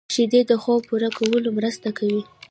شیدې د خوب پوره کولو مرسته کوي